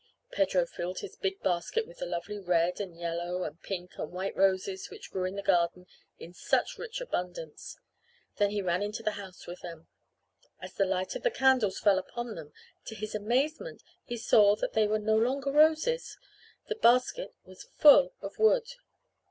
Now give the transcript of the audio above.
Pedro filled his big basket with the lovely red and yellow and pink and white roses which grew in the garden in such rich abundance. Then he ran into the house with them. As the light from the candles fell upon them, to his amazement he saw that they were no longer roses. The basket was full of wood.